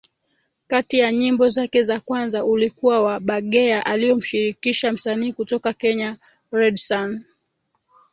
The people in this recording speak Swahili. kati ya nyimbo zake za kwanza ulikuwa wa Bageya aliomshirikisha msanii kutoka Kenya Redsan